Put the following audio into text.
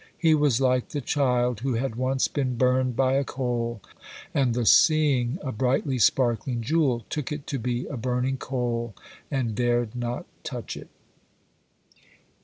He was like the child who had once been burned by a coal, and the seeing a brightly sparkling jewel, took it to be a burning coal, and dared not touch it.